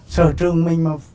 sở trường mình mà